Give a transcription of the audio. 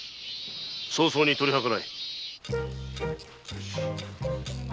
早々に取り計らえ。